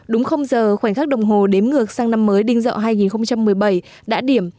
đúng không giờ khoảnh khắc đồng hồ đếm ngược sang năm mới đinh dậu hai nghìn một mươi bảy đã điểm